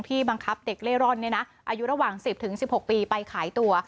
บังคับเด็กเล่ร่อนอายุระหว่าง๑๐๑๖ปีไปขายตัว